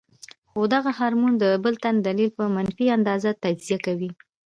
خو دغه هارمون د بل تن دليل پۀ منفي انداز تجزيه کوي -